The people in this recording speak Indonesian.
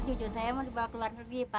jujur saya mau dibawa keluar pergi